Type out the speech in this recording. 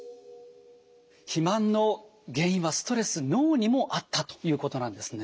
肥満の原因はストレス脳にもあったということなんですね。